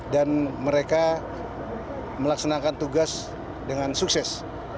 dan mereka melaksanakan tugas dengan sukses